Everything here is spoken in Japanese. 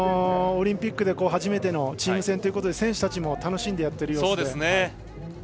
オリンピックで初めてのチーム戦ということで選手たちも楽しんでやっているようですね。